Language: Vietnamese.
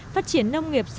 phát triển nông nghiệp